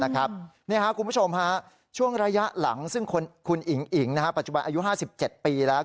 คุณผู้ชมช่วงระยะหลังซึ่งคุณอิ๋งอิ๋งปัจจุบันอายุ๕๗ปีแล้ว